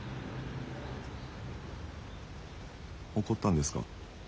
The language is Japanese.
怒ったんですか？